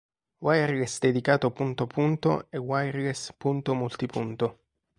Wireless dedicato punto-punto e Wireless punto-multipunto.